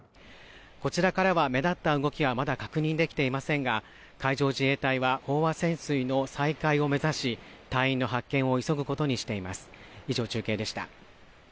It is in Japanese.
こちらからは目立った動きはまだ確認できていませんが、海上自衛隊は飽和潜水の再開を目指し隊員の発見を急ぐことにしています。